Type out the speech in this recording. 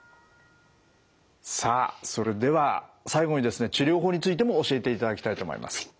さあそれでは最後にですね治療法についても教えていただきたいと思います。